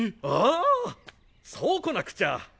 ああそうこなくちゃ！